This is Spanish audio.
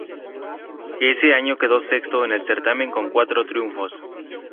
Ese año quedó sexto en el certamen con cuatro triunfos.